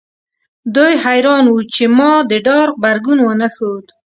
دوی حیران وو چې ما د ډار غبرګون ونه ښود